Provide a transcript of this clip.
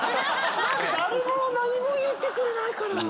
誰も何も言ってくれないから。